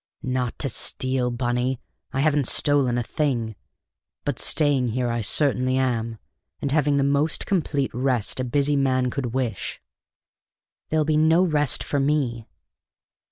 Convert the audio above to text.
"Not to steal, Bunny! I haven't stolen a thing. But staying here I certainly am, and having the most complete rest a busy man could wish." "There'll be no rest for me!"